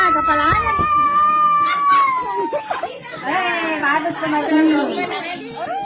nah cina kepala aja